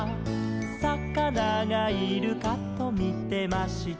「さかながいるかとみてました」